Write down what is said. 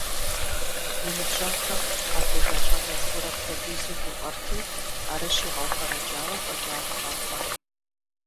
И ныбжьэгъухэм къатежа щӀалэ цӀыкӀур апхуэдизу гуфӀэрти, арыщ игъэуфэрэкӀауэ фӀэкӀа пщӀэнтэкъым.